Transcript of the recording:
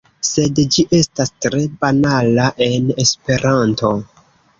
Sed ĝi estas tre banala en Esperanto.